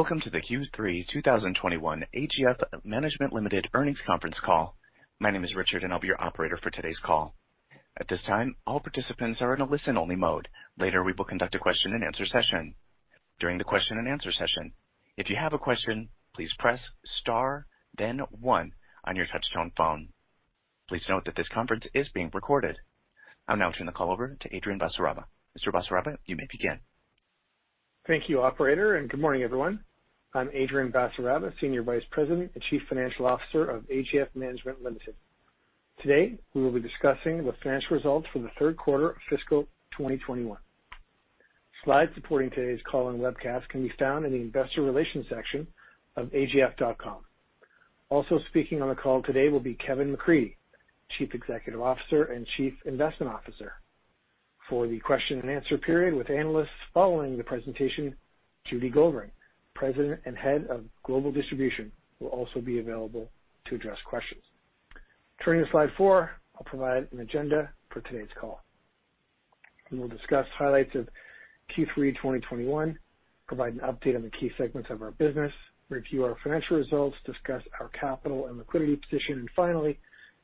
Welcome to the Q3 2021 AGF Management Limited earnings conference call. My name is Richard, and I'll be your operator for today's call. At this time, all participants are in a listen-only mode. Later, we will conduct a question-and-answer session. During the question-and-answer session, if you have a question, please press star then one on your touchtone phone. Please note that this conference is being recorded. I'll now turn the call over to Adrian Basaraba. Mr. Basaraba, you may begin. Thank you, operator. Good morning, everyone. I'm Adrian Basaraba, Senior Vice President and Chief Financial Officer of AGF Management Limited. Today, we will be discussing the financial results for the third quarter of fiscal 2021. Slides supporting today's call and webcast can be found in the investor relations section of agf.com. Also speaking on the call today will be Kevin McCreadie, Chief Executive Officer and Chief Investment Officer. For the question and answer period with analysts following the presentation, Judy Goldring, President and Head of Global Distribution, will also be available to address questions. Turning to slide four, I'll provide an agenda for today's call. We'll discuss highlights of Q3 2021, provide an update on the key segments of our business, review our financial results, discuss our capital and liquidity position, and finally,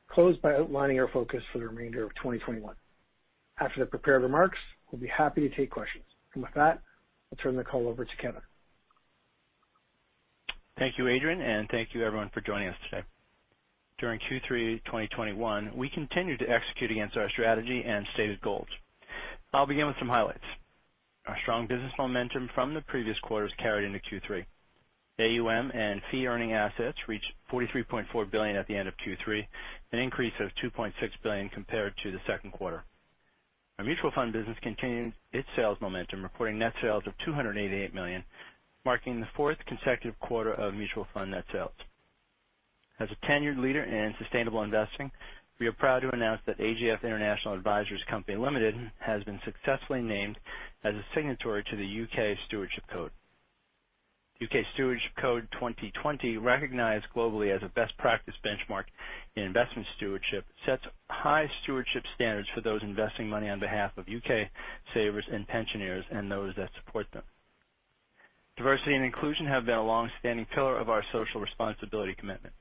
close by outlining our focus for the remainder of 2021. After the prepared remarks, we'll be happy to take questions. With that, I'll turn the call over to Kevin. Thank you, Adrian, and thank you, everyone, for joining us today. During Q3 2021, we continued to execute against our strategy and stated goals. I'll begin with some highlights. Our strong business momentum from the previous quarters carried into Q3. AUM and fee earning assets reached 43.4 billion at the end of Q3, an increase of 2.6 billion compared to the second quarter. Our mutual fund business continued its sales momentum, reporting net sales of 288 million, marking the fourth consecutive quarter of mutual fund net sales. As a tenured leader in sustainable investing, we are proud to announce that AGF International Advisors Company Limited has been successfully named as a signatory to the U.K. Stewardship Code. U.K. Stewardship Code 2020, recognized globally as a best practice benchmark in investment stewardship, sets high stewardship standards for those investing money on behalf of U.K. savers and pensioners and those that support them. Diversity and inclusion have been a longstanding pillar of our social responsibility commitment.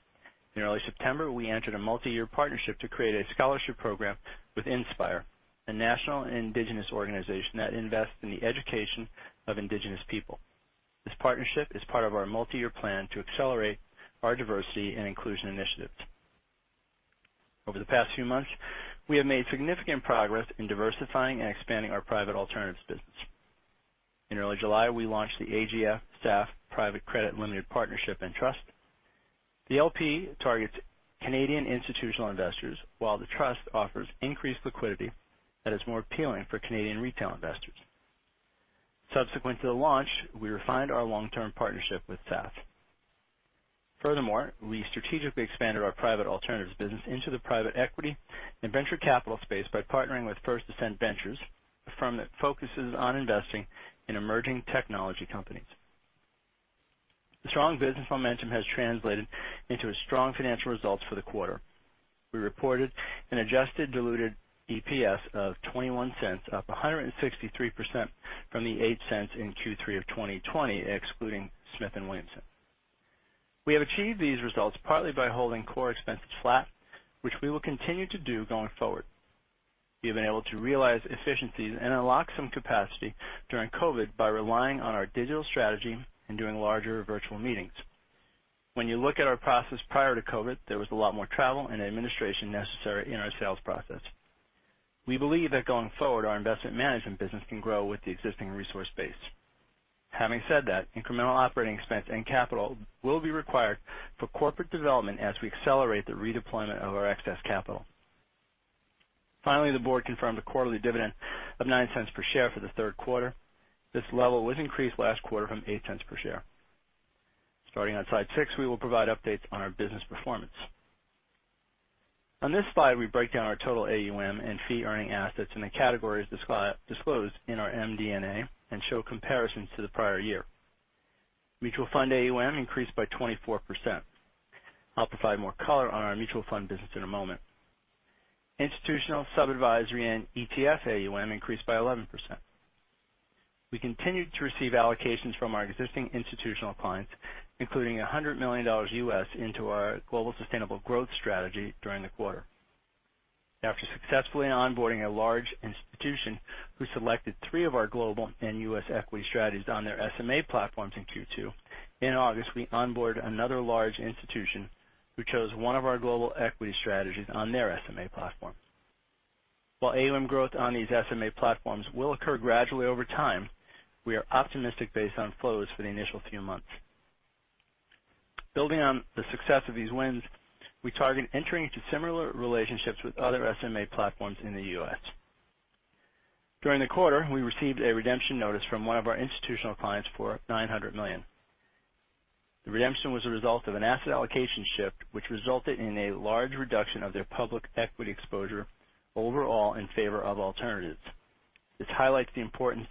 In early September, we entered a multi-year partnership to create a scholarship program with Indspire, a national Indigenous organization that invests in the education of Indigenous people. This partnership is part of our multi-year plan to accelerate our diversity and inclusion initiatives. Over the past few months, we have made significant progress in diversifying and expanding our private alternatives business. In early July, we launched the AGF SAF Private Credit Limited Partnership and Trust. The LP targets Canadian institutional investors, while the Trust offers increased liquidity that is more appealing for Canadian retail investors. Subsequent to the launch, we refined our long-term partnership with SAF. Furthermore, we strategically expanded our private alternatives business into the private equity and venture capital space by partnering with First Ascent Ventures, a firm that focuses on investing in emerging technology companies. The strong business momentum has translated into a strong financial result for the quarter. We reported an adjusted diluted EPS of 0.21, up 163% from the 0.08 in Q3 2020, excluding Smith & Williamson. We have achieved these results partly by holding core expenses flat, which we will continue to do going forward. We have been able to realize efficiencies and unlock some capacity during COVID by relying on our digital strategy and doing larger virtual meetings. When you look at our process prior to COVID, there was a lot more travel and administration necessary in our sales process. We believe that going forward, our investment management business can grow with the existing resource base. Having said that, incremental operating expense and capital will be required for corporate development as we accelerate the redeployment of our excess capital. Finally, the board confirmed a quarterly dividend of 0.09 per share for the third quarter. This level was increased last quarter from 0.08 per share. Starting on slide 6, we will provide updates on our business performance. On this slide, we break down our total AUM and fee earning assets in the categories disclosed in our MD&A and show comparisons to the prior year. Mutual fund AUM increased by 24%. I'll provide more color on our mutual fund business in a moment. Institutional sub-advisory and ETF AUM increased by 11%. We continued to receive allocations from our existing institutional clients, including $100 million into our global sustainable growth strategy during the quarter. After successfully onboarding a large institution who selected three of our global and U.S. equity strategies on their SMA platforms in Q2, in August, we onboarded another large institution who chose one of our global equity strategies on their SMA platform. While AUM growth on these SMA platforms will occur gradually over time, we are optimistic based on flows for the initial few months. Building on the success of these wins, we target entering into similar relationships with other SMA platforms in the U.S. During the quarter, we received a redemption notice from one of our institutional clients for 900 million. The redemption was a result of an asset allocation shift, which resulted in a large reduction of their public equity exposure overall in favor of alternatives. This highlights the importance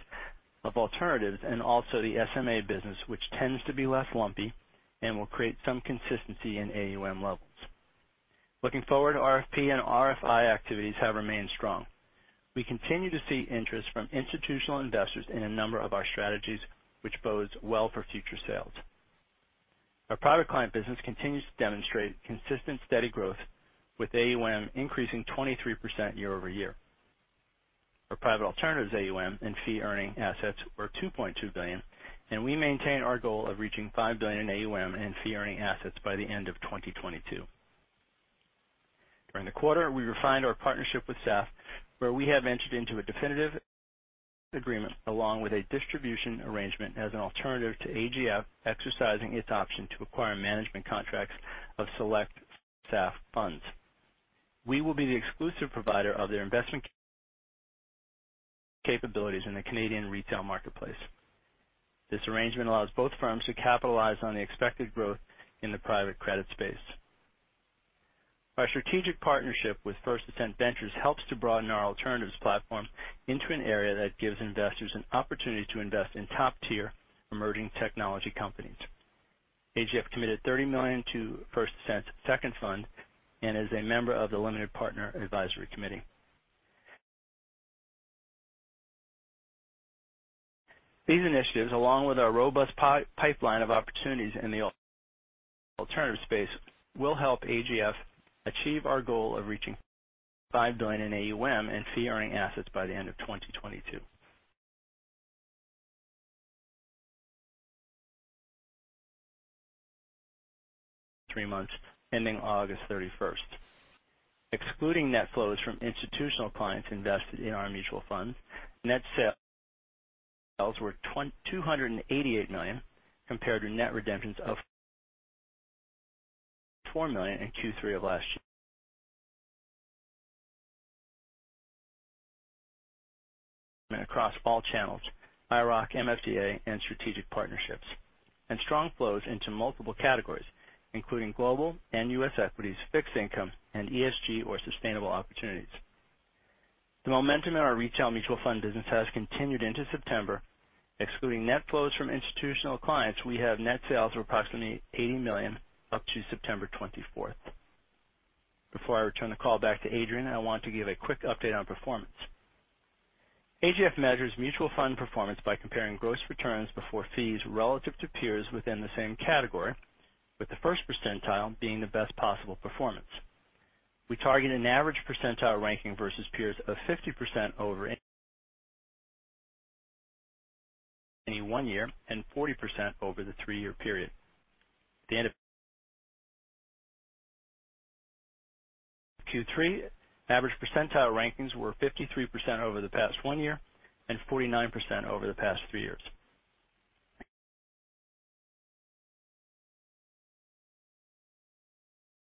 of alternatives and also the SMA business, which tends to be less lumpy and will create some consistency in AUM levels. Looking forward, RFP and RFI activities have remained strong. We continue to see interest from institutional investors in a number of our strategies, which bodes well for future sales. Our private client business continues to demonstrate consistent, steady growth, with AUM increasing 23% year-over-year. Our private alternatives AUM and fee-earning assets were 2.2 billion, and we maintain our goal of reaching 5 billion in AUM and fee-earning assets by the end of 2022. During the quarter, we refined our partnership with SAF, where we have entered into a definitive agreement along with a distribution arrangement as an alternative to AGF exercising its option to acquire management contracts of select SAF funds. We will be the exclusive provider of their investment capabilities in the Canadian retail marketplace. This arrangement allows both firms to capitalize on the expected growth in the private credit space. Our strategic partnership with First Ascent Ventures helps to broaden our alternatives platform into an area that gives investors an opportunity to invest in top-tier emerging technology companies. AGF committed 30 million to First Ascent's second fund and is a member of the Limited Partner Advisory Committee. These initiatives, along with our robust pipeline of opportunities in the alternative space, will help AGF achieve our goal of reaching 5 billion in AUM and fee-earning assets by the end of 2022. three months ending August 31st. Excluding net flows from institutional clients invested in our mutual funds, net sales were 288 million compared to net redemptions of 4 million in Q3 of last year. Across all channels, IIROC, MFDA, and strategic partnerships, and strong flows into multiple categories, including global and U.S. equities, fixed income, and ESG or sustainable opportunities. The momentum in our retail mutual fund business has continued into September. Excluding net flows from institutional clients, we have net sales of approximately 80 million up to September 24th. Before I return the call back to Adrian, I want to give a quick update on performance. AGF measures mutual fund performance by comparing gross returns before fees relative to peers within the same category, with the first percentile being the best possible performance. We target an average percentile ranking versus peers of 50% over any one year and 40% over the three-year period. At the end of Q3, average percentile rankings were 53% over the past one year and 49% over the past three years.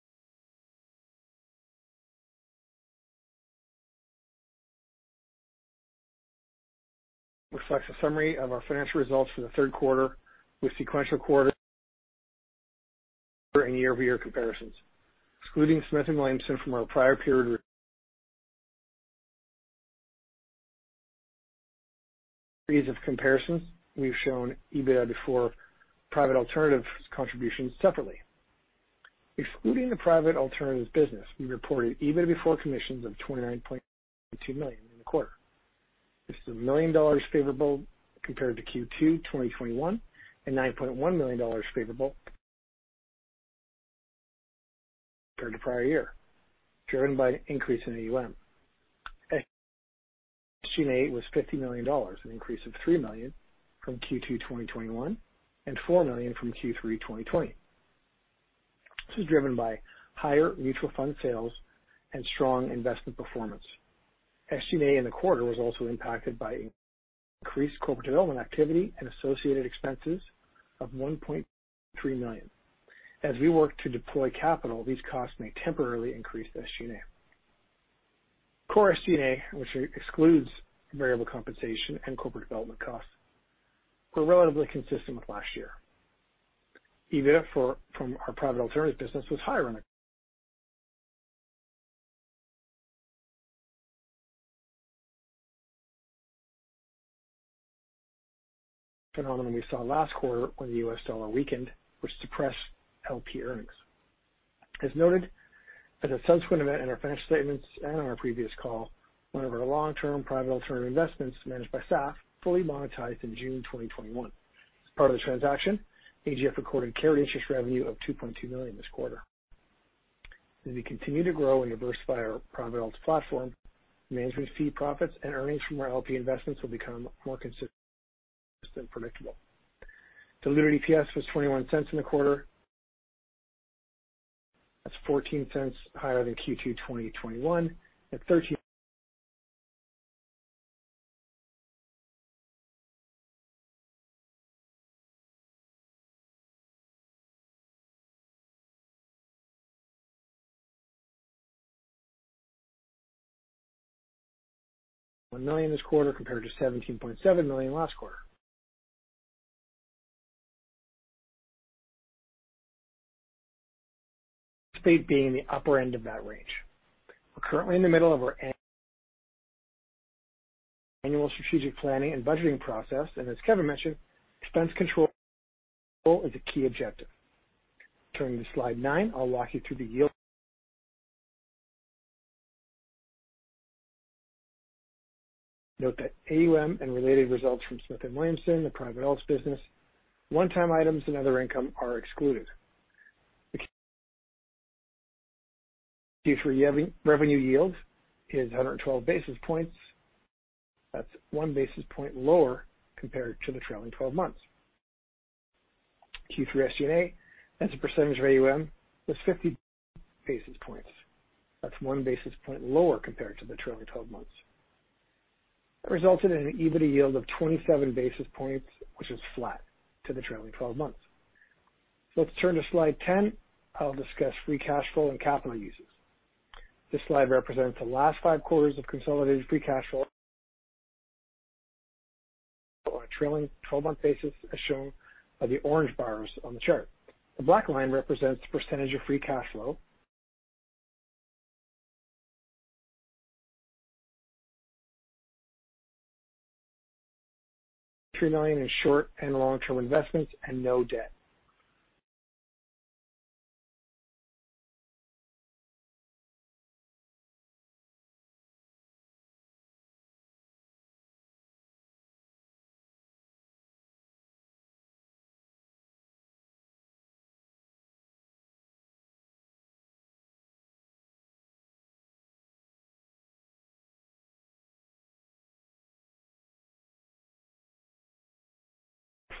Reflects a summary of our financial results for the third quarter with sequential quarter and year-over-year comparisons. Excluding Smith & Williamson from our prior period series of comparisons, we've shown EBITDA before private alternatives contributions separately. Excluding the private alternatives business, we reported EBIT before commissions of 29.2 million in the quarter. This is 1 million dollars favorable compared to Q2 2021 and 9.1 million dollars favorable compared to prior year, driven by an increase in AUM. SG&A was 50 million dollars, an increase of 3 million from Q2 2021 and 4 million from Q3 2020. This was driven by higher mutual fund sales and strong investment performance. SG&A in the quarter was also impacted by increased corporate development activity and associated expenses of 1.3 million. As we work to deploy capital, these costs may temporarily increase the SG&A. Core SG&A, which excludes variable compensation and corporate development costs, were relatively consistent with last year. EBITDA from our private alternatives business was higher than the phenomenon we saw last quarter when the U.S. dollar weakened, which suppressed LP earnings. As noted, as a subsequent event in our financial statements and on our previous call, one of our long-term private alternative investments managed by SAF fully monetized in June 2021. As part of the transaction, AGF recorded carry interest revenue of 2.2 million this quarter. As we continue to grow and diversify our private alternatives platform, management fee profits and earnings from our LP investments will become more consistent and predictable. Diluted EPS was 0.21 in the quarter. That's 0.14 higher than Q2 2021 and 13.1 million this quarter compared to 17.7 million last quarter, being the upper end of that range. We're currently in the middle of our annual strategic planning and budgeting process. As Kevin mentioned, expense control is a key objective. Turning to slide 9, I'll walk you through the yield. Note that AUM and related results from Smith & Williamson, the private alts business, one-time items and other income are excluded. Q3 revenue yield is 112 basis points. That's 1 basis point lower compared to the trailing 12 months. Q3 SG&A, as a percentage of AUM, was 50 basis points. That's 1 basis point lower compared to the trailing 12 months. That resulted in an EBIT yield of 27 basis points, which is flat to the trailing 12 months. Let's turn to slide 10. I'll discuss free cash flow and capital uses. This slide represents the last five quarters of consolidated free cash flow on a trailing 12-month basis, as shown by the orange bars on the chart. The black line represents percentage of free cash flow. 3 million in short and long-term investments and no debt.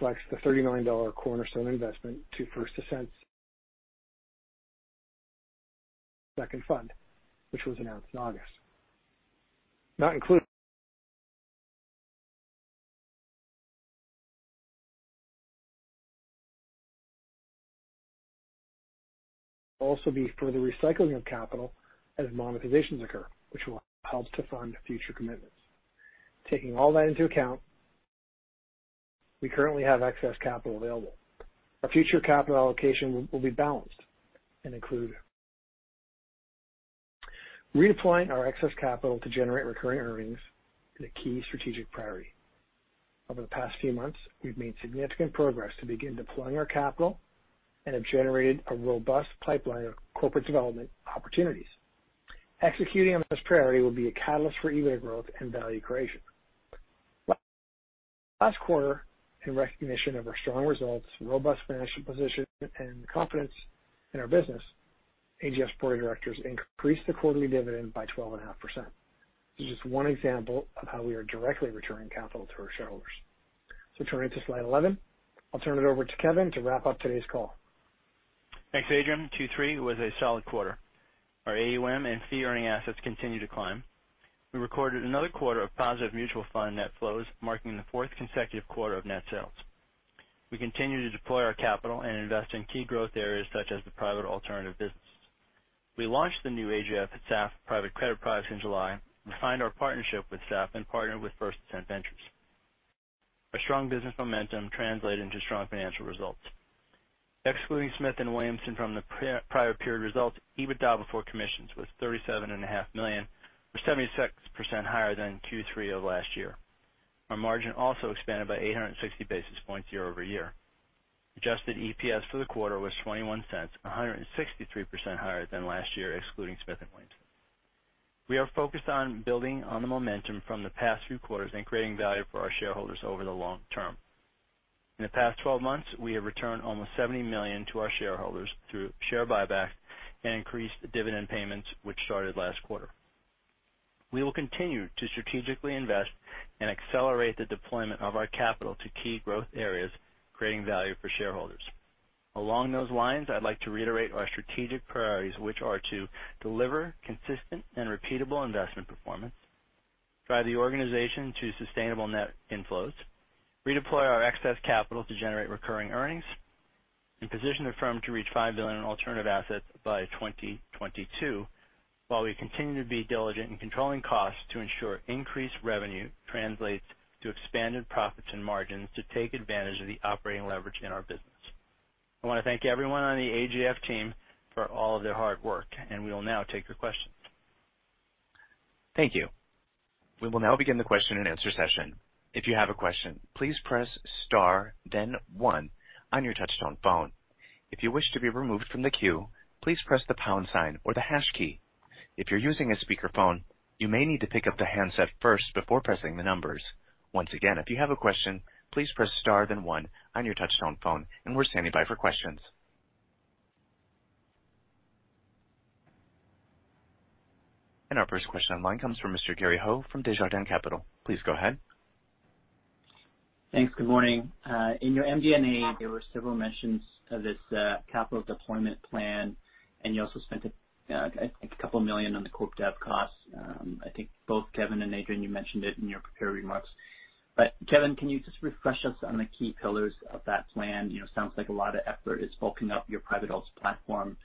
reflects the 30 million dollar cornerstone investment to First Ascent's second fund, which was announced in August. Not included. There will also be further recycling of capital as monetizations occur, which will help to fund future commitments. Taking all that into account, we currently have excess capital available. Our future capital allocation will be balanced and include redeploying our excess capital to generate recurring earnings is a key strategic priority. Over the past few months, we've made significant progress to begin deploying our capital and have generated a robust pipeline of corporate development opportunities. Executing on this priority will be a catalyst for [EBITDA] growth and value creation. Last quarter, in recognition of our strong results, robust financial position, and confidence in our business, AGF's Board of Directors increased the quarterly dividend by 12.5%. This is just one example of how we are directly returning capital to our shareholders. Turning to slide 11. I'll turn it over to Kevin to wrap up today's call. Thanks, Adrian. Q3 was a solid quarter. Our AUM and fee-earning assets continue to climb. We recorded another quarter of positive mutual fund net flows, marking the fourth consecutive quarter of net sales. We continue to deploy our capital and invest in key growth areas such as the private alternative business. We launched the new AGF SAF Private Credit product in July, refined our partnership with SAF, and partnered with First Ascent Ventures. Our strong business momentum translated into strong financial results. Excluding Smith & Williamson from the prior period results, EBITDA before commissions was 37.5 million, or 76% higher than Q3 of last year. Our margin also expanded by 860 basis points year-over-year. Adjusted EPS for the quarter was 0.21, 163% higher than last year, excluding Smith & Williamson. We are focused on building on the momentum from the past few quarters and creating value for our shareholders over the long term. In the past 12 months, we have returned almost 70 million to our shareholders through share buyback and increased dividend payments, which started last quarter. We will continue to strategically invest and accelerate the deployment of our capital to key growth areas, creating value for shareholders. Along those lines, I'd like to reiterate our strategic priorities, which are to deliver consistent and repeatable investment performance, drive the organization to sustainable net inflows, redeploy our excess capital to generate recurring earnings, and position the firm to reach 5 billion in alternative assets by 2022, while we continue to be diligent in controlling costs to ensure increased revenue translates to expanded profits and margins to take advantage of the operating leverage in our business. I want to thank everyone on the AGF team for all of their hard work, and we will now take your questions. Thank you. We will now begin the question and answer session. If you have a question, please press star then one on your touchtone phone. If you wish to be removed from the queue, please press the pound sign or the hash key. If you're using a speaker phone, you may need to pickup the handset first before pressing the numbers. Once again, if you have a question, please press star then one on your touchtone phone. We're standing by for questions. Our first question online comes from Mr. Gary Ho from Desjardins Capital. Please go ahead. Thanks. Good morning. In your MD&A, there were several mentions of this capital deployment plan, and you also spent, I think, a couple million on the corp dev costs. I think both Kevin and Adrian, you mentioned it in your prepared remarks. Kevin, can you just refresh us on the key pillars of that plan? It sounds like a lot of effort is bulking up your private alts platform.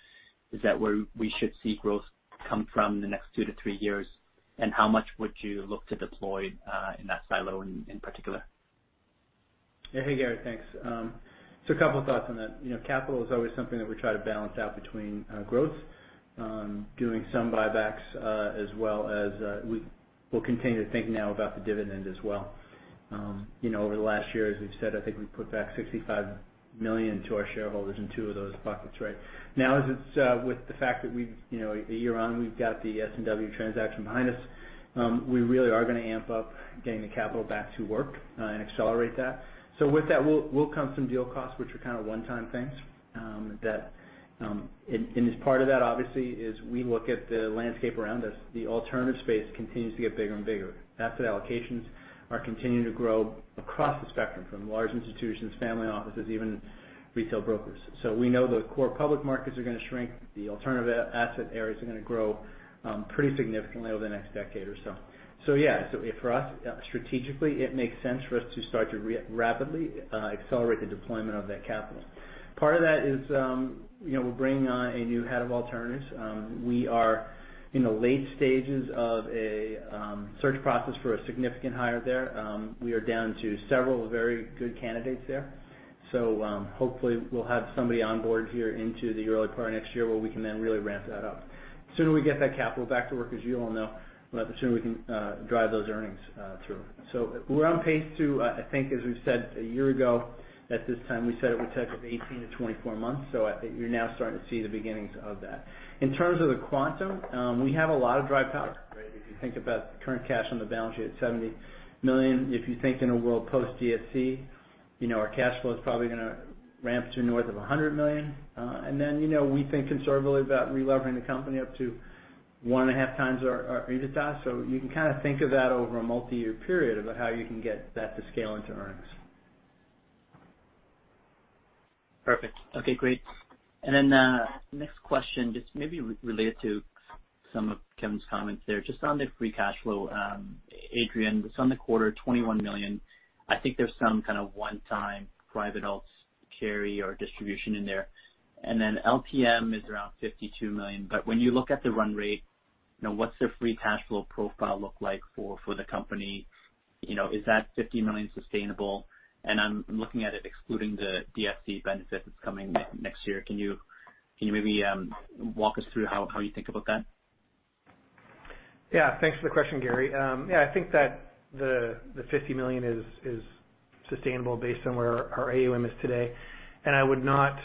Is that where we should see growth come from the next two to three years? How much would you look to deploy in that silo in particular? Yeah. Hey, Gary. Thanks. A couple thoughts on that. Capital is always something that we try to balance out between growth, doing some buybacks, as well as we'll continue to think now about the dividend as well. Over the last year, as we've said, I think we put back 65 million to our shareholders in two of those buckets, right? Now with the fact that a year on, we've got the S&W transaction behind us, we really are going to amp up getting the capital back to work and accelerate that. With that will come some deal costs which are kind of one-time things. As part of that, obviously, as we look at the landscape around us, the alternative space continues to get bigger and bigger. Asset allocations are continuing to grow across the spectrum, from large institutions, family offices, even retail brokers. We know the core public markets are going to shrink. The alternative asset areas are going to grow pretty significantly over the next decade or so. For us, strategically, it makes sense for us to start to rapidly accelerate the deployment of that capital. Part of that is we're bringing on a new head of alternatives. We are in the late stages of a search process for a significant hire there. We are down to several very good candidates there. Hopefully we'll have somebody on board here into the early part of next year where we can then really ramp that up. The sooner we get that capital back to work, as you all know, the sooner we can drive those earnings through. We're on pace to, I think as we've said a year ago at this time, we said it would take up to 18-24 months. You're now starting to see the beginnings of that. In terms of the quantum, we have a lot of dry powder, right? If you think about the current cash on the balance sheet, 70 million. If you think in a world post DSC, our cash flow is probably going to ramp to north of 100 million. We think conservatively about relevering the company up to 1.5x our EBITDA. You can kind of think of that over a multi-year period about how you can get that to scale into earnings. Perfect. Okay, great. Next question, just maybe related to some of Kevin's comments there. Just on the free cash flow. Adrian, just on the quarter, 21 million. I think there's some kind of one-time private alts carry or distribution in there. LTM is around 52 million. When you look at the run rate, what's their free cash flow profile look like for the company? Is that 50 million sustainable? I'm looking at it excluding the DSC benefit that's coming next year. Can you maybe walk us through how you think about that? Thanks for the question, Gary. I think that the 50 million is sustainable based on where our AUM is today. I would not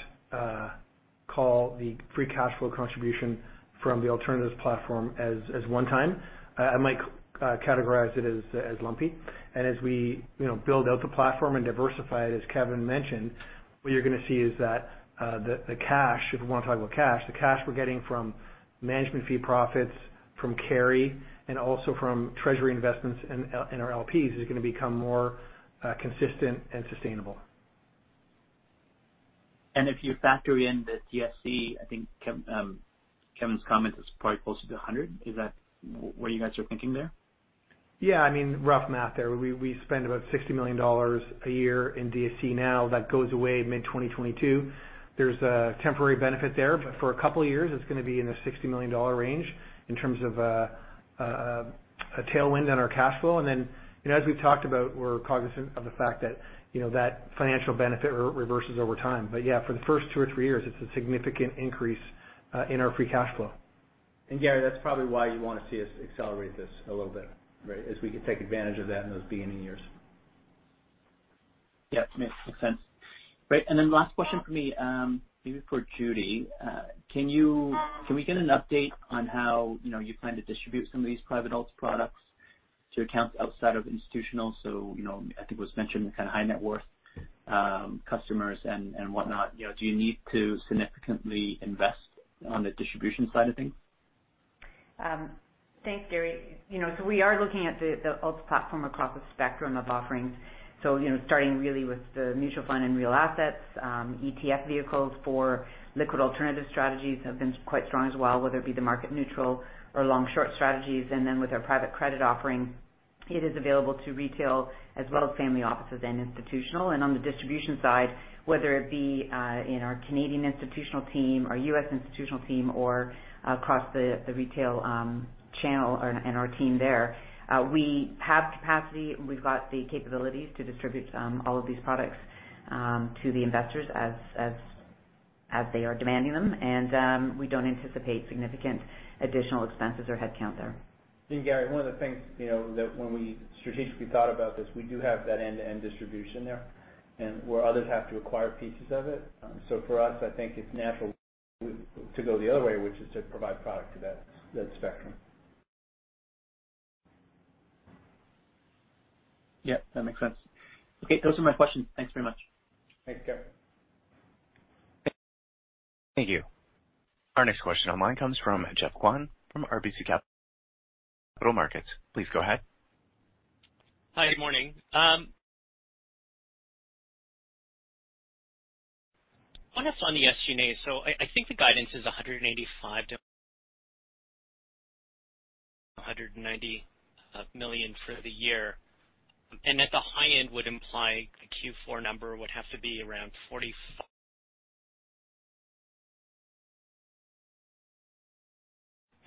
call the free cash flow contribution from the alternatives platform as one-time. I might categorize it as lumpy. As we build out the platform and diversify it, as Kevin mentioned, what you're going to see is that the cash, if we want to talk about cash, the cash we're getting from management fee profits, from carry, and also from treasury investments in our LPs is going to become more consistent and sustainable. If you factor in the DSC, I think Kevin's comment is probably closer to 100 million. Is that what you guys are thinking there? Yeah, I mean, rough math there. We spend about 60 million dollars a year in DSC now. That goes away mid-2022. There's a temporary benefit there, but for a couple of years, it's going to be in the 60 million dollar range in terms of a tailwind on our cash flow. Then, as we've talked about, we're cognizant of the fact that financial benefit reverses over time. Yeah, for the first two or three years, it's a significant increase in our free cash flow. Gary, that's probably why you want to see us accelerate this a little bit, right? We could take advantage of that in those beginning years. Yeah, makes sense. Great, last question for me, maybe for Judy. Can we get an update on how you plan to distribute some of these private alts products to accounts outside of institutional? I think it was mentioned the kind of high net worth customers and whatnot. Do you need to significantly invest on the distribution side of things? Thanks, Gary. We are looking at the alts platform across a spectrum of offerings. Starting really with the mutual fund and real assets. ETF vehicles for liquid alternative strategies have been quite strong as well, whether it be the market neutral or long-short strategies. With our private credit offering, it is available to retail as well as family offices and institutional. On the distribution side, whether it be in our Canadian institutional team, our U.S. institutional team, or across the retail channel and our team there, we have capacity. We've got the capabilities to distribute all of these products to the investors as they are demanding them. We don't anticipate significant additional expenses or headcount there. Gary, one of the things that when we strategically thought about this, we do have that end-to-end distribution there and where others have to acquire pieces of it. For us, I think it is natural to go the other way, which is to provide product to that spectrum. Yeah, that makes sense. Okay, those are my questions. Thanks very much. Thanks, Gary. Thank you. Our next question online comes from Geoffrey Kwan from RBC Capital Markets. Please go ahead. Hi, good morning. On the SG&A, I think the guidance is 185 million-190 million for the year. At the high end would imply the Q4 number would have to be around 45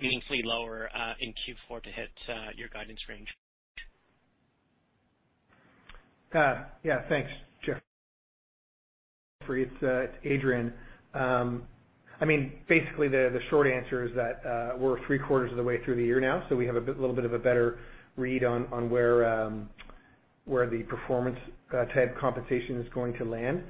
million meaningfully lower in Q4 to hit your guidance range. Thanks, Geoffrey. It's Adrian. Basically, the short answer is that we're 3/4 of the way through the year now, we have a little bit of a better read on where the performance-type compensation is going to land.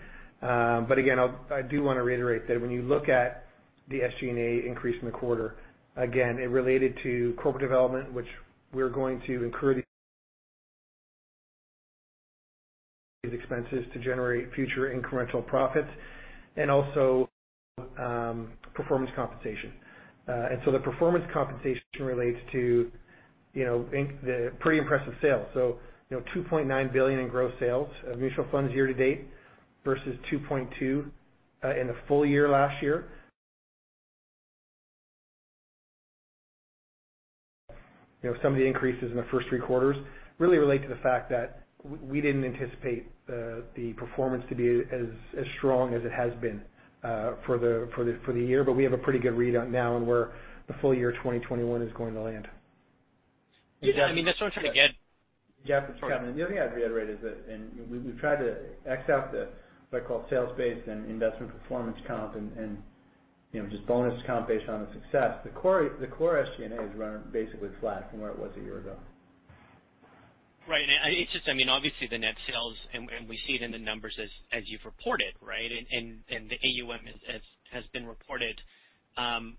Again, I do want to reiterate that when you look at the SG&A increase in the quarter, again, it related to corporate development, which we're going to incur these expenses to generate future incremental profits, and also performance compensation. The performance compensation relates to the pretty impressive sales. 2.9 billion in gross sales of mutual funds year-to-date versus 2.2 billion in the full year last year. Some of the increases in the first three quarters really relate to the fact that we didn't anticipate the performance to be as strong as it has been for the year. We have a pretty good read on now on where the full year 2021 is going to land. Yeah. That's what I'm trying to get. Geoffrey, it's Kevin. The other thing I'd reiterate is that we've tried to X out the, what I call sales-based and investment performance comp and just bonus comp based on the success. The core SG&A is running basically flat from where it was a year ago. Right. Obviously, the net sales, and we see it in the numbers as you've reported, right? The AUM has been reported. I'm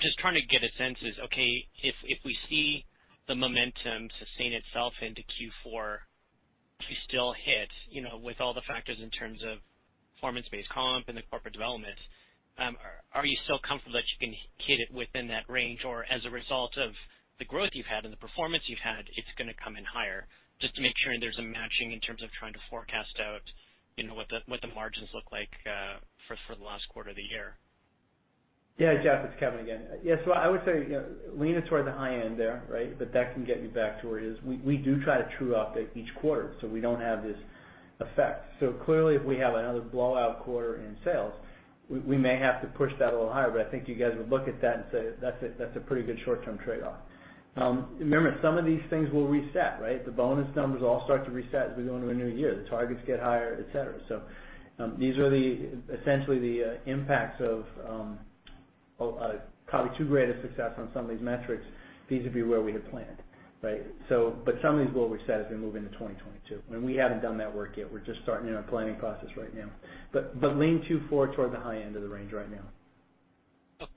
just trying to get a sense as, okay, if we see the momentum sustain itself into Q4 to still hit with all the factors in terms of performance-based comp and the corporate development, are you still comfortable that you can hit it within that range? Or as a result of the growth you've had and the performance you've had, it's going to come in higher? Just to make sure there's a matching in terms of trying to forecast out what the margins look like for the last quarter of the year. Geoff, it's Kevin again. I would say lean us toward the high end there, right. That can get you back to where it is. We do try to true up each quarter, so we don't have this effect. Clearly, if we have another blowout quarter in sales, we may have to push that a little higher. I think you guys would look at that and say, that's a pretty good short-term trade-off. Remember, some of these things will reset, right. The bonus numbers all start to reset as we go into a new year. The targets get higher, et cetera. These are essentially the impacts of probably too great a success on some of these metrics vis-a-vis where we had planned, right. Some of these will reset as we move into 2022. We haven't done that work yet. We're just starting in our planning process right now. Lean Q4 toward the high end of the range right now. Okay.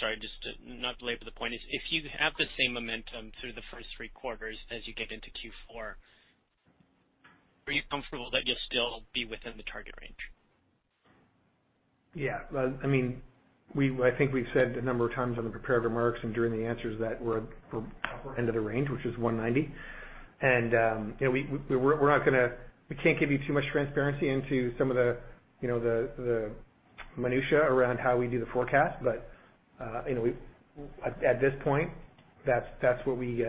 Sorry, just to not belabor the point, if you have the same momentum through the first three quarters as you get into Q4, are you comfortable that you'll still be within the target range? I think we've said a number of times on the prepared remarks and during the answers that we're upper end of the range, which is 190 million. We can't give you too much transparency into some of the minutiae around how we do the forecast. At this point, that's what we're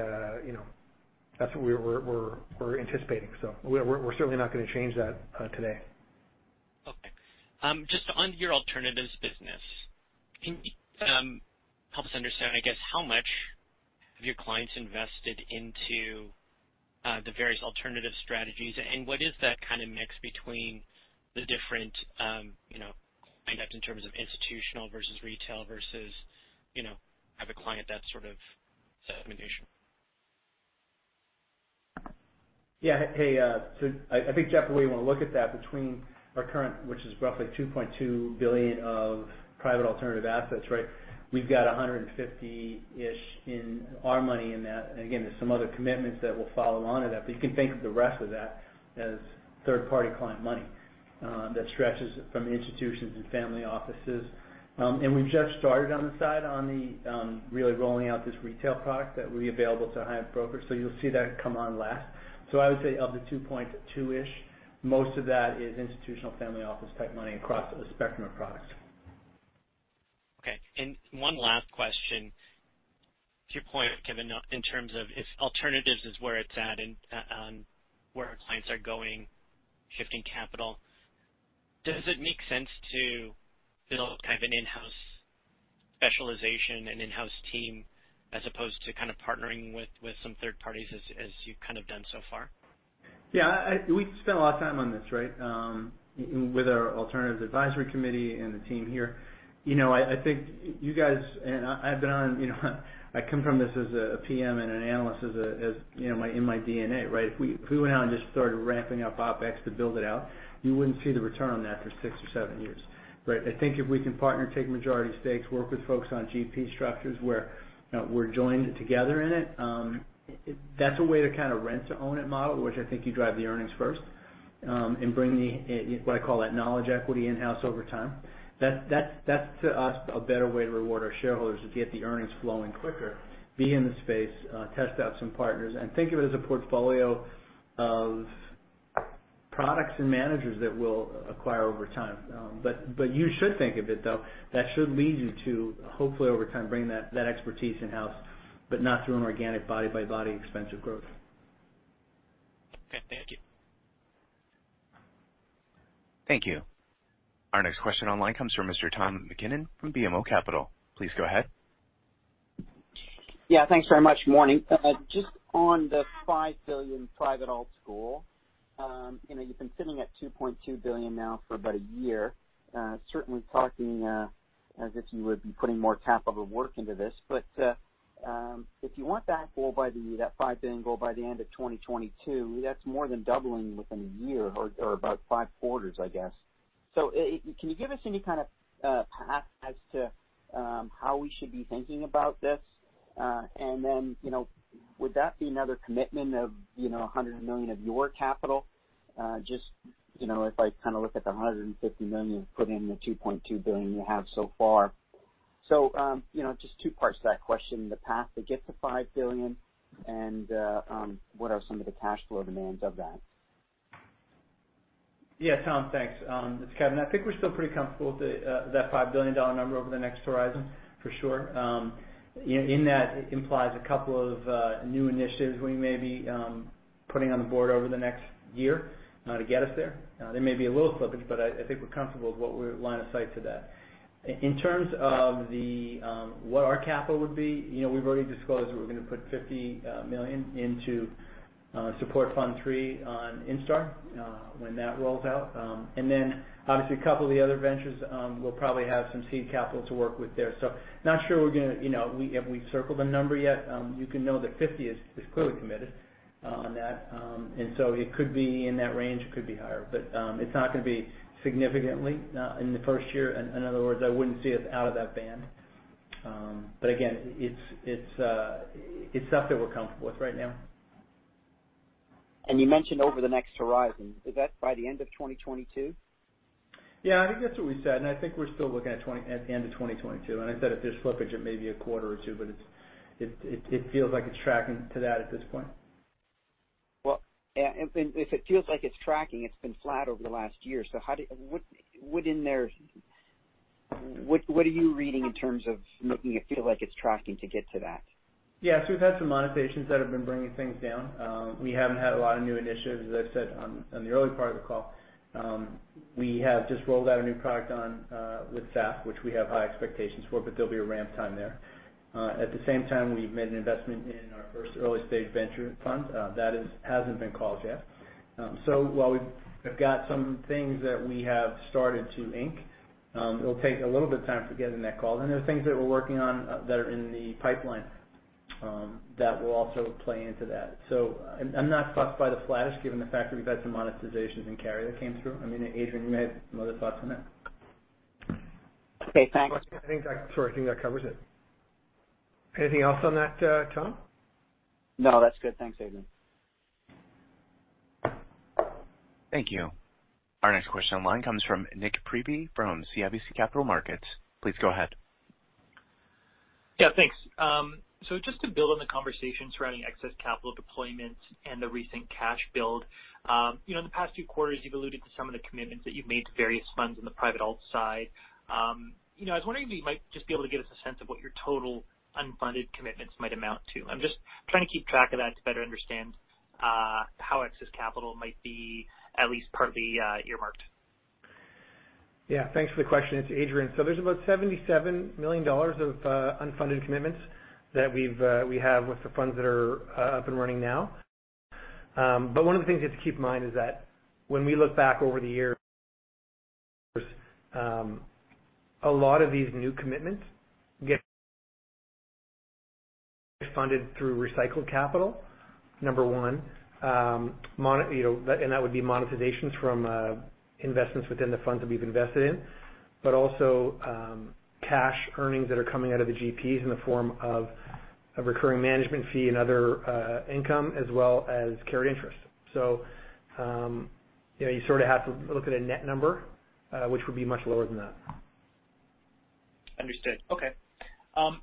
anticipating. We're certainly not going to change that today. Okay. Just on your alternatives business, can you help us understand how much have your clients invested into the various alternative strategies? What is that kind of mix between the different indices in terms of institutional versus retail versus type of client, that sort of segmentation? Yeah. I think, Geoff, the way you want to look at that between our current, which is roughly 2.2 billion of private alternative assets, right? We've got 150 million-ish in our money in that. Again, there's some other commitments that will follow on to that. You can think of the rest of that as third-party client money that stretches from institutions and family offices. We've just started on the side on the really rolling out this retail product that will be available to high-end brokers. You'll see that come on last. I would say of the 2.2 billion-ish, most of that is institutional family office type money across a spectrum of products. Okay. One last question. To your point, Kevin, in terms of if alternatives is where it's at and where clients are going, shifting capital. Does it make sense to build an in-house specialization and in-house team as opposed to partnering with some third parties as you've done so far? Yeah. We spent a lot of time on this, right? With our alternatives advisory committee and the team here. I come from this as a PM and an analyst is in my DNA, right? If we went out and just started ramping up OpEx to build it out, you wouldn't see the return on that for six to seven years, right? I think if we can partner, take majority stakes, work with folks on GP structures where we're joined together in it, that's a way to rent to own it model, which I think you drive the earnings first. Bring what I call that knowledge equity in-house over time. That's, to us, a better way to reward our shareholders, is get the earnings flowing quicker, be in the space, test out some partners, and think of it as a portfolio of products and managers that we'll acquire over time. You should think of it, though, that should lead you to, hopefully over time, bring that expertise in-house, but not through an organic body by body expensive growth. Okay. Thank you. Thank you. Our next question online comes from Mr. Tom MacKinnon from BMO Capital. Please go ahead. Yeah. Thanks very much. Morning. Just on the 5 billion private alt goal. You've been sitting at 2.2 billion now for about a year. Certainly talking as if you would be putting more capital to work into this. If you want that goal, that 5 billion goal by the end of 2022, that's more than doubling within one year or about five quarters, I guess. Can you give us any kind of path as to how we should be thinking about this? Would that be another commitment of 100 million of your capital? Just if I look at the 150 million you put in the 2.2 billion you have so far. Just two parts to that question, the path to get to 5 billion and what are some of the cash flow demands of that? Yeah, Tom, thanks. It's Kevin. I think we're still pretty comfortable with that 5 billion dollar number over the next horizon for sure. In that it implies a couple of new initiatives we may be putting on the board over the next year to get us there. There may be a little slippage, but I think we're comfortable with line of sight to that. In terms of what our capital would be, we've already disclosed we're going to put 50 million into support fund 3 on Instar when that rolls out. Obviously a couple of the other ventures we'll probably have some seed capital to work with there. Not sure if we've circled a number yet. You can know that 50 million is clearly committed on that. It could be in that range, it could be higher, but it's not going to be significantly in the first year. In other words, I wouldn't see us out of that band. Again, it's stuff that we're comfortable with right now. You mentioned over the next horizon. Is that by the end of 2022? Yeah, I think that's what we said, and I think we're still looking at the end of 2022. I said if there's slippage, it may be a quarter or two, but it feels like it's tracking to that at this point. Well, if it feels like it's tracking, it's been flat over the last year. What are you reading in terms of making it feel like it's tracking to get to that? Yeah. We've had some monetizations that have been bringing things down. We haven't had a lot of new initiatives, as I said on the early part of the call. We have just rolled out a new product with SAF, which we have high expectations for, but there'll be a ramp time there. At the same time, we've made an investment in our first early-stage venture fund. That hasn't been called yet. While we've got some things that we have started to ink, it'll take a little bit of time to get in that call. There are things that we're working on that are in the pipeline that will also play into that. I'm not fussed by the flattish given the fact that we've had some monetizations in carry that came through. I mean, Adrian, you may have some other thoughts on that. Okay, thanks. Sorry. I think that covers it. Anything else on that, Tom? No, that's good. Thanks, Adrian. Thank you. Our next question online comes from Nik Priebe from CIBC Capital Markets. Please go ahead. Yeah, thanks. Just to build on the conversation surrounding excess capital deployment and the recent cash build. In the past few quarters you've alluded to some of the commitments that you've made to various funds on the private alt side. I was wondering if you might just be able to give us a sense of what your total unfunded commitments might amount to. I'm just trying to keep track of that to better understand how excess capital might be at least partly earmarked. Yeah, thanks for the question. It's Adrian. There's about 77 million dollars of unfunded commitments that we have with the funds that are up and running now. One of the things you have to keep in mind is that when we look back over the years, a lot of these new commitments get funded through recycled capital, number one. That would be monetizations from investments within the funds that we've invested in, but also cash earnings that are coming out of the GPs in the form of a recurring management fee and other income as well as carried interest. You sort of have to look at a net number which would be much lower than that. Understood. Okay.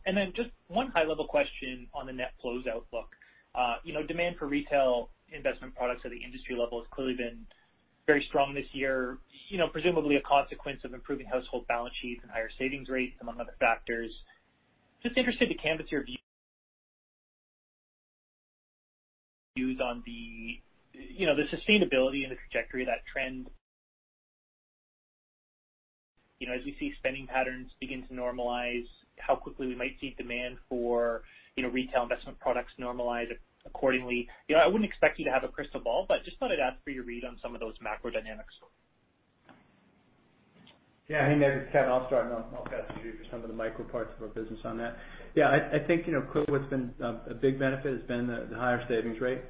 Then just one high-level question on the net flows outlook. Demand for retail investment products at the industry level has clearly been very strong this year. Presumably a consequence of improving household balance sheets and higher savings rates, among other factors. Just interested to canvas your views on the sustainability and the trajectory of that trend. As we see spending patterns begin to normalize, how quickly we might see demand for retail investment products normalize accordingly. I wouldn't expect you to have a crystal ball, just thought I'd ask for your read on some of those macro dynamics. Yeah. Hey Nik, it's Kevin. I'll start and I'll pass it to Judy for some of the micro parts of our business on that. Yeah, I think clearly what's been a big benefit has been the higher savings rate.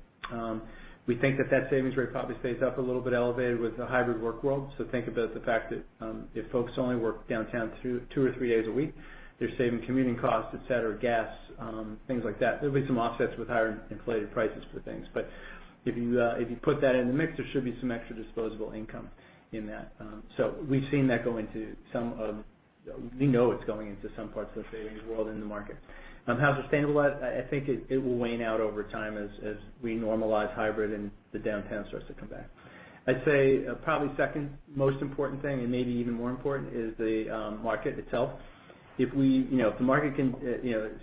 We think that that savings rate probably stays up a little bit elevated with the hybrid work world. Think about the fact that if folks only work downtown two or three days a week, they're saving commuting costs, et cetera, gas, things like that. There'll be some offsets with higher inflated prices for things. If you put that in the mix, there should be some extra disposable income in that. We've seen that go into some parts of the savings world in the market. How sustainable is that? I think it will wane out over time as we normalize hybrid and the downtown starts to come back. I'd say probably second most important thing, and maybe even more important, is the market itself. If the market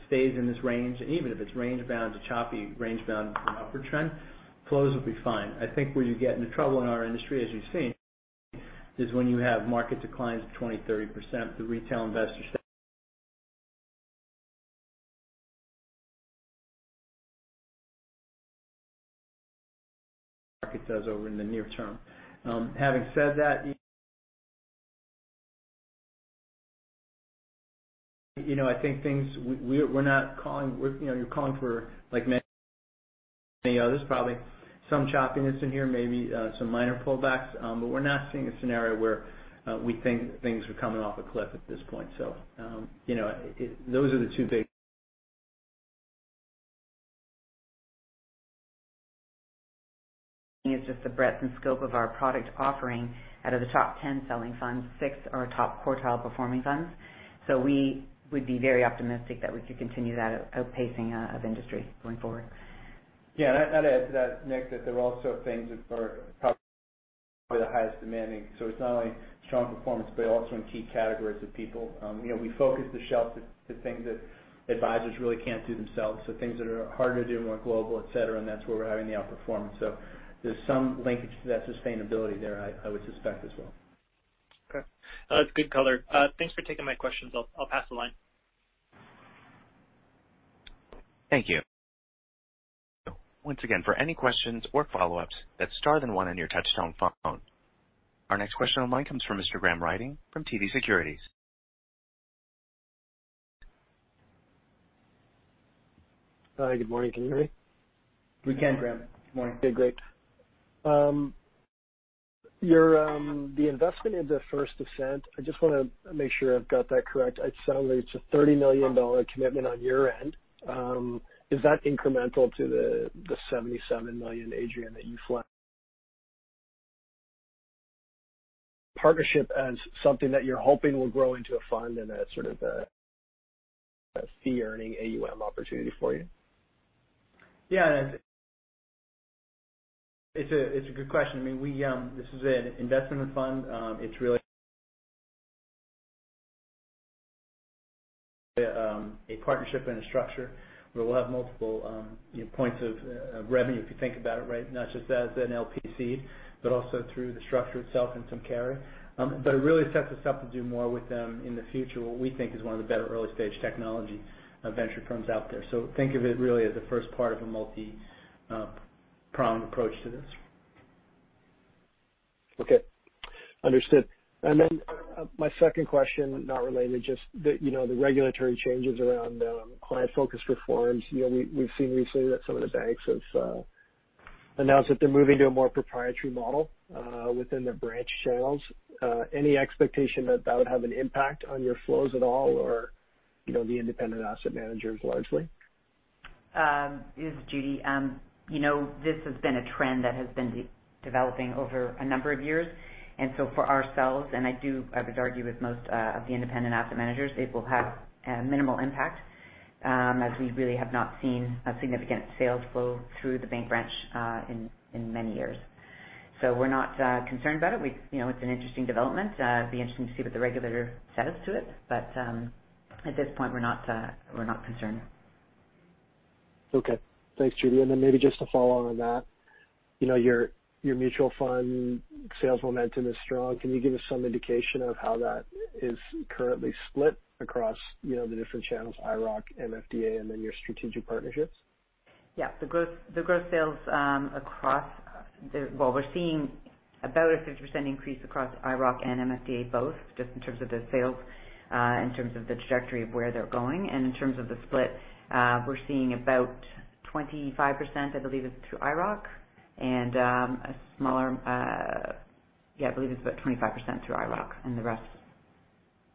stays in this range, even if it's range-bound to choppy, range-bound to an upward trend, flows will be fine. I think where you get into trouble in our industry, as you've seen, is when you have market declines of 20%-30%, the retail investor stays market does over in the near term. Having said that, I think we're not calling for, like many others, probably some choppiness in here, maybe some minor pullbacks. We're not seeing a scenario where we think things are coming off a cliff at this point. Those are the two big. is just the breadth and scope of our product offering. Out of the top 10 selling funds, six are top quartile performing funds. We would be very optimistic that we could continue that outpacing of industry going forward. Yeah. I'd add to that, Nik, that there are also things that are probably the highest demanding. It's not only strong performance, but also in key categories that we focus the shelf to things that advisors really can't do themselves. Things that are harder to do, more global, et cetera, and that's where we're having the outperformance. There's some linkage to that sustainability there, I would suspect as well. Okay. That's good color. Thanks for taking my questions. I'll pass the line. Thank you. Once again, for any questions or follow-ups, hit star then one on your touchtone phone. Our next question on line comes from Mr. Graham Ryding from TD Securities. Hi. Good morning. Can you hear me? We can, Graham. Good morning. Okay, great. The investment into First Ascent, I just want to make sure I've got that correct. It sounds like it's a 30 million dollar commitment on your end. Is that incremental to the 77 million, Adrian, that you pledged partnership as something that you're hoping will grow into a fund and a sort of a fee-earning AUM opportunity for you? Yeah. It's a good question. This is an investment fund. It's really a partnership and a structure where we'll have multiple points of revenue, if you think about it, right? Not just as an LPC, but also through the structure itself and some carry. It really sets us up to do more with them in the future, what we think is one of the better early-stage technology venture firms out there. Think of it really as the first part of a multi-pronged approach to this. Okay. Understood. My second question, not related, just the regulatory changes around Client Focused Reforms. We've seen recently that some of the banks have announced that they're moving to a more proprietary model within their branch channels. Any expectation that that would have an impact on your flows at all or the independent asset managers largely? This is Judy. This has been a trend that has been developing over a number of years. For ourselves, and I would argue with most of the independent asset managers, it will have a minimal impact, as we really have not seen a significant sales flow through the bank branch in many years. We're not concerned about it. It's an interesting development. It'd be interesting to see what the regulator says to it. At this point, we're not concerned. Okay. Thanks, Judy. Maybe just to follow on that. Your mutual fund sales momentum is strong. Can you give us some indication of how that is currently split across the different channels, IIROC, MFDA, and then your strategic partnerships? Yeah. The growth sales across, well, we're seeing about a 50% increase across IIROC and MFDA both, just in terms of the sales, in terms of the trajectory of where they're going. In terms of the split, we're seeing about 25%, I believe, is through IIROC and the rest.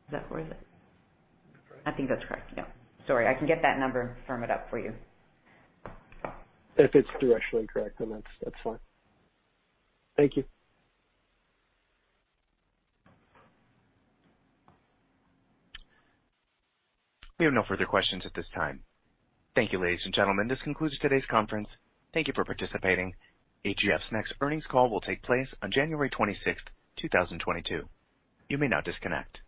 Is that where is it? That's correct. I think that's correct. Yep. Sorry. I can get that number and firm it up for you. If it's directionally correct, then that's fine. Thank you. We have no further questions at this time. Thank you, ladies and gentlemen. This concludes today's conference. Thank you for participating. AGF's next earnings call will take place on January 26th, 2022. You may now disconnect.